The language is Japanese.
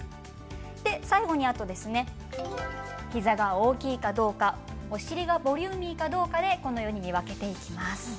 最後に、膝が大きいかどうかお尻がボリューミーかどうかで見分けていきます。